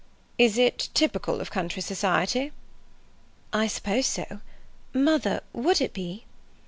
"Is it typical of country society?" "I suppose so. Mother, would it be?"